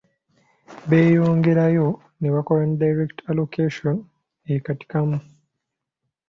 Beeyongerayo ne bakola ne ‘Direct Allocation' e Katikamu.